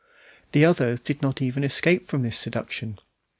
The others even did not escape from this seduction.